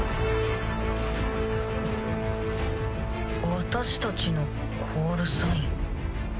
私たちのコールサイン？